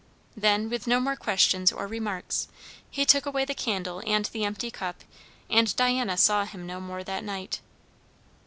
Then, with no more questions or remarks, he took away the candle and the empty cup, and Diana saw him no more that night.